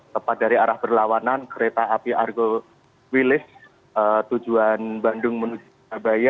tepat dari arah berlawanan kereta api argo wilis tujuan bandung menuju surabaya